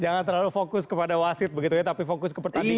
jangan terlalu fokus kepada wasit begitu ya tapi fokus ke pertandingan